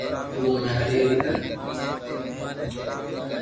تو ھمي ھري ھري ڪر